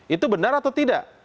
itu benar atau tidak